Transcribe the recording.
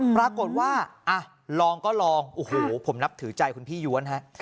ปรากฏว่าลองก็ลองโอ้โหผมนับถือใจคุณพี่ย้วนฮะ